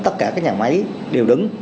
tất cả cái nhà máy đều đứng